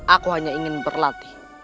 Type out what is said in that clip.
aku hanya ingin berlatih